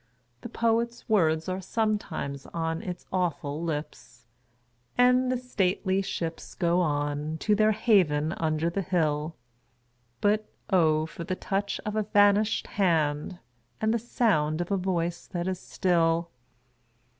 The poet's words are sometimes on its awful lips : And the stately ships go on To their haven under the hill ; But 0 for the touch of a vanish'd hand, And the sound of a voice that is still